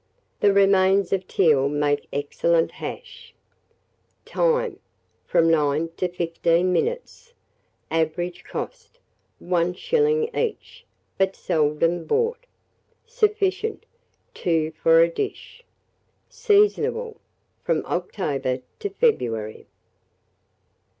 The remains of teal make excellent hash. Time. From 9 to 15 minutes. Average cost, 1s. each; but seldom bought. Sufficient, 2 for a dish. Seasonable from October to February.